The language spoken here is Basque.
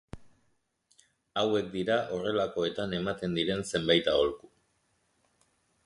Hauek dira horrelakoetan ematen diren zenbait aholku.